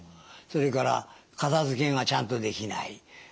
それから片付けがちゃんとできない。